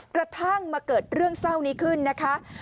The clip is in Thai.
กระทั่งมาเกิดเรื่องเศร้านี้ขึ้นนะคะ